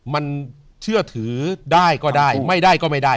มันเชื่อถือได้ก็ได้ไม่ได้ก็ไม่ได้